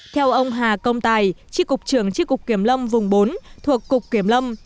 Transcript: theo ông hà công tài tri cục trưởng tri cục kiểm lâm vùng bốn thuộc cục kiểm lâm